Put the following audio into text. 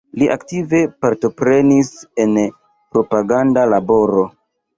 Li aktive partoprenis en propaganda laboro.